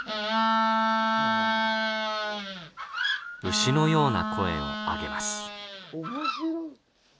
牛のような声をあげます。